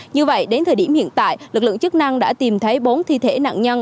như vậy đến thời điểm hiện tại lực lượng chức năng đã tìm thấy bốn thi thể nạn nhân